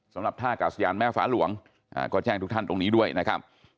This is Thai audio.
สำหรับท่ากาศยานแม่ฟ้าหลวงก็แจ้งทุกท่านตรงนี้ด้วยนะครับ